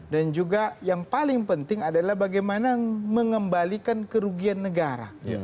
dan juga yang paling penting adalah bagaimana mengembalikan kerugian negara